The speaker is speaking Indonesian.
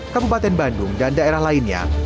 kabupaten bandung dan daerah lainnya